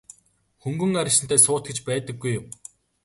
Хөнгөн араншинтай суут гэж байдаггүй юм.